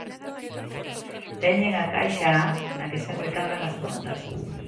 Teñen a caixa A, na que sempre cadran as contas.